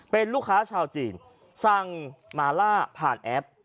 เป็นลูกค้าชาวจีนสั่งมาล่าผ่านแอป